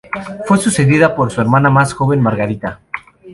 Fue sucedida por su hermana más joven, Margarita.